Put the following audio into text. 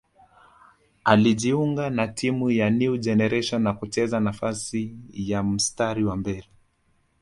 Alijiunga na timu ya New Generation na kucheza nafasi ya mstari wa mbele